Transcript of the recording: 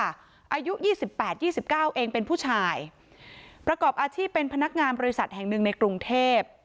อายุ๒๘๒๙เองเป็นผู้ชายประกอบอาชีพเป็นพนักงานบริษัทแห่งหนึ่งในกรุงเทพฯ